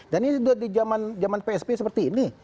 dan ini sudah di zaman psb seperti ini